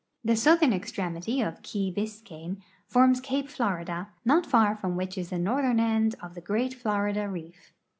The southern extremity of key Biscayne forms cape Florida, not far from which is the northern end of the Great Florida reef.